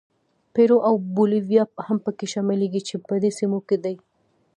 پیرو او بولیویا هم پکې شاملېږي چې په دې سیمو کې دي.